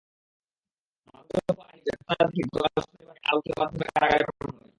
মাদকদ্রব্য আইনে গ্রেপ্তার দেখিয়ে গতকাল শনিবার তাঁকে আদালতের মাধ্যমে কারাগারে পাঠানো হয়েছে।